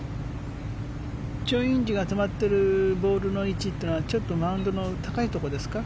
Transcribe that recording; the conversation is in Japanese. チョン・インジが止まっているボールの位置というのはちょっとマウンドの高いところですか？